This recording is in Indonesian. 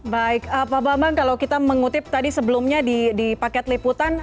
baik pak bambang kalau kita mengutip tadi sebelumnya di paket liputan